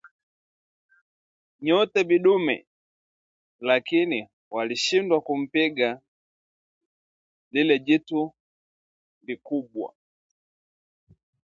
Nyote vidume, lakini walishindwa kumpiga lilelijitu likubwa